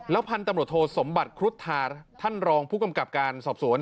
พันธุ์ตำรวจโทสมบัติครุฑธาท่านรองผู้กำกับการสอบสวน